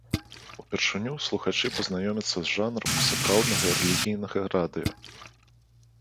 Упершыню слухачы пазнаёміцца з жанрам сапраўднага рэлігійнага радыё.